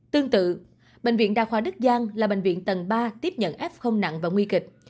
tương tự bệnh viện đa khoa đức giang là bệnh viện tầng ba tiếp nhận f không nặng và nguy kịch